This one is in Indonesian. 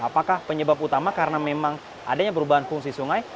apakah penyebab utama karena memang adanya perubahan fungsi sungai